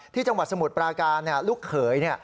จังหวัดสมุทรปราการลูกเขย